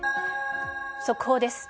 速報です。